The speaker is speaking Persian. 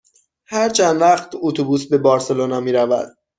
هر چند وقت اتوبوس به بارسلونا می رود؟